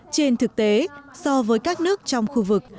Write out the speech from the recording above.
trên thực tế so với các nước trong khu vực